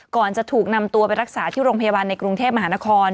ก่อนจะถูกนำตัวไปรักษาที่โรงพยาบาลในกรุงเทพมหานคร